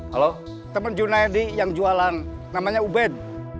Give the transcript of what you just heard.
halo teman junaidi yang jualan namanya ubed